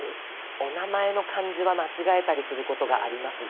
お名前の漢字は間違えたりすることがありますが。